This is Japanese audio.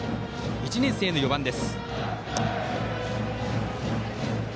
１年生の４番です。